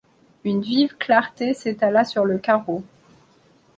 Une vive clarté s'étala sur le carreau.